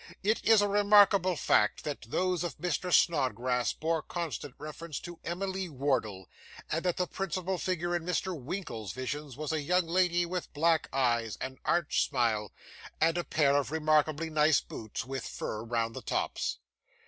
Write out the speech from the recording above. It is a remarkable fact that those of Mr. Snodgrass bore constant reference to Emily Wardle; and that the principal figure in Mr. Winkle's visions was a young lady with black eyes, and arch smile, and a pair of remarkably nice boots with fur round the tops.